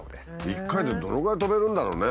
１回でどのぐらい飛べるんだろうね？